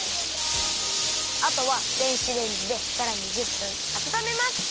あとは電子レンジでさらに１０分あたためます！